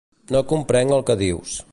No comprenc el que dius.